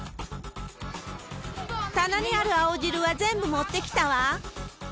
棚にある青汁は全部持ってきたわ。